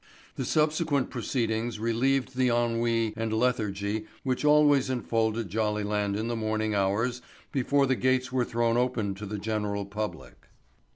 The subsequent proceedings relieved the ennui and lethargy which always enfolded Jollyland in the morning hours before the gates were thrown open to the general public.